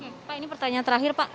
oke pak ini pertanyaan terakhir pak